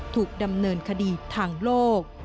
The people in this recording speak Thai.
ถูกดำเนินคดีทางโลก